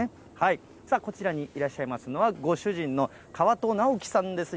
こちらにいらっしゃいますのは、ご主人の川戸直樹さんです。